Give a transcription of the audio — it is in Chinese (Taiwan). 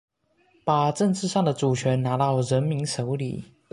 把政治上的主權拿到人民手裡